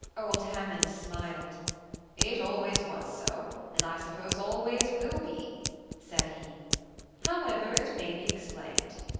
Old Hammond smiled. "It always was so, and I suppose always will be," said he, "however it may be explained.